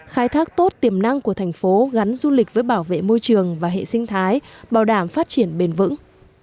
khai thác tốt tiềm năng của thành phố gắn du lịch với bảo vệ môi trường và hệ sinh thái bảo đảm phát triển bền vững